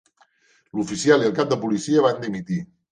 L'oficial i el cap de policia van dimitir.